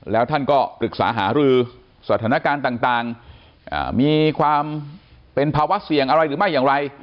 แล้วท่านก็ปรึกษาหารือสถานการณ์ต่างมีความเป็นภาวะเสี่ยงอะไรหรือไม่อย่างไร